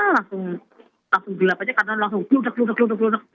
langsung gelap aja karena langsung gelap gelap gelap gelap gelap